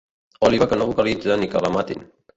Òliba que no vocalitza ni que la matin.